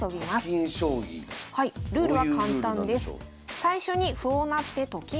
ルールは簡単です。